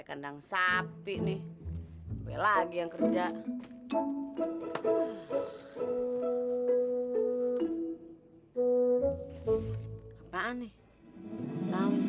maaf aku gak tau